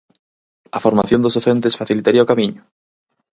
A formación dos docentes facilitaría o camiño?